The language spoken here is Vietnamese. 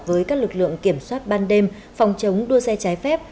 với các lực lượng kiểm soát ban đêm phòng chống đua xe trái phép